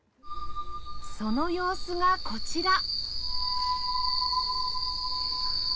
その様子がこちら